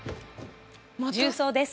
重曹です。